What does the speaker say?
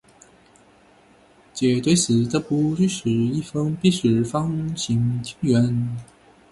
杰堆寺的布局是一封闭式方形庭院。